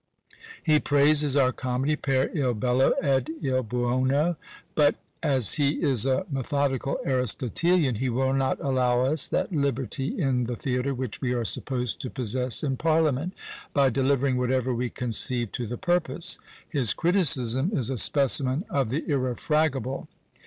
He praises our comedy; "per il bello ed il buono;" but, as he is a methodical Aristotelian, he will not allow us that liberty in the theatre which we are supposed to possess in parliament by delivering whatever we conceive to the purpose. His criticism is a specimen of the irrefragable.